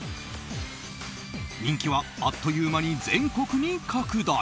人気はあっという間に全国に拡大。